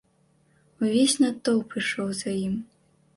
Увесь натоўп ішоў за ім.